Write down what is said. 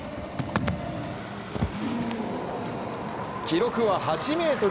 記録は８ｍ２７。